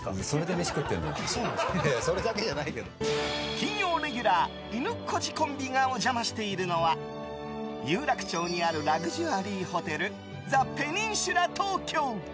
金曜レギュラーいぬこじコンビがお邪魔しているのは有楽町にあるラグジュアリーホテルザ・ペニンシュラ東京。